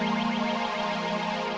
kamu mau memilih teman kamu